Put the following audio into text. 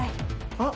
あっ？